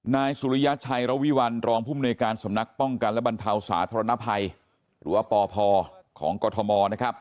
นายสุริยชัยระวิวัลรองภูมิหน่วยการสำนักป้องกันและบรรเทาสาธารณภัยหรือว่าปพของกรทมนะครับ